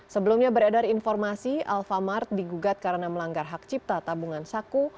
sebelumnya beredar informasi alfamart digugat karena melanggar hak cipta tabungan saku